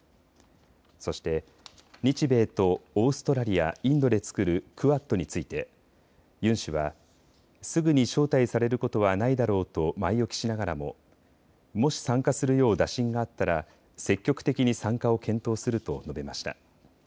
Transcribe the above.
そして、日米とオーストラリア、インドで作るクアッドについてユン氏はすぐに招待されることはないだろうと前置きしながらももし参加するよう打診があったら積極的に参加を検討すると述べました。